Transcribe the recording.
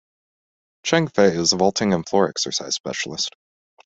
Cheng Fei is a vaulting and floor exercise specialist.